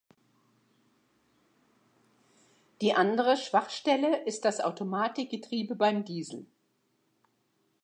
Die andere Schwachstelle ist das Automatikgetriebe beim Diesel.